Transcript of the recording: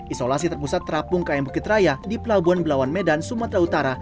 isolasi terpusat terapung km bukit raya di pelabuhan belawan medan sumatera utara